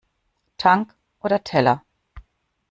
Tank oder Teller?